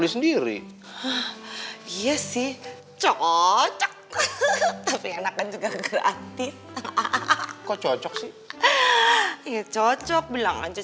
sendiri iya sih cocok tapi enak kan juga gratis aku cocok sih ya cocok bilang aja